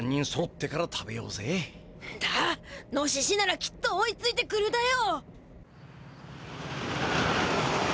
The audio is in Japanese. ノシシならきっと追いついてくるだよ。